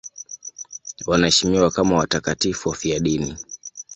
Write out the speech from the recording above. Wanaheshimiwa kama watakatifu wafiadini.